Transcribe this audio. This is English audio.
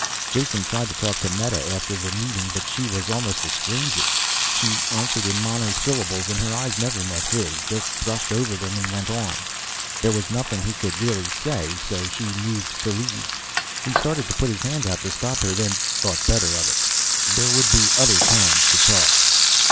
Jason tried to talk to Meta after the meeting, but she was almost a stranger. She answered in monosyllables and her eyes never met his, just brushed over them and went on. There was nothing he could really say so she moved to leave. He started to put his hand out to stop her then thought better of it. There would be other times to talk.